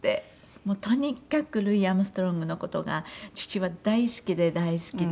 もうとにかくルイ・アームストロングの事が父は大好きで大好きで。